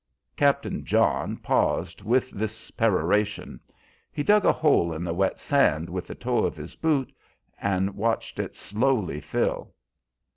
Captain John paused with this peroration: he dug a hole in the wet sand with the toe of his boot, and watched it slowly fill.